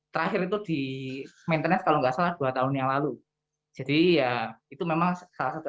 terakhir itu di maintenance kalau nggak salah dua tahun yang lalu jadi ya itu memang salah satu